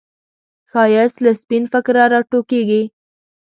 ښایست له سپین فکره راټوکېږي